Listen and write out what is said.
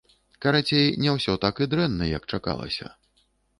Карацей, не так усё і дрэнна, як чакалася.